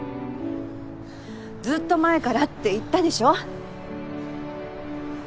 ずっと前からって言ったでしょ。